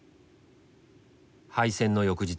敗戦の翌日。